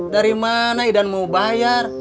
dari mana idan mau bayar